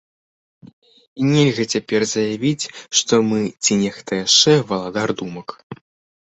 І нельга цяпер заявіць, што мы ці нехта яшчэ валадар думак.